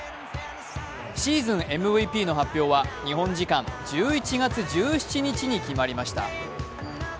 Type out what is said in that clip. シーズンＭＶＰの発表は日本時間１１月１７日に決まりました。